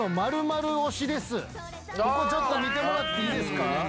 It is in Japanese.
ここ見てもらっていいですか。